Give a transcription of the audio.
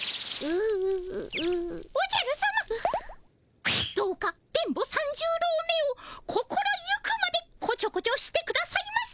おじゃるさまどうか電ボ三十郎めを心行くまでこちょこちょしてくださいませ！